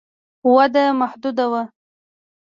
وده محدوده ده.